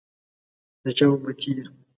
دچا اُمتي يی؟